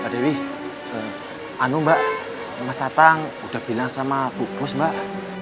mbak dewi anu mbak mas tatang udah bilang sama bu bos mbak